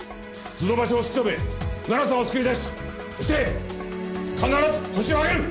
図の場所を突き止め奈々さんを救い出しそして必ずホシを挙げる！